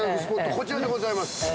こちらでございます。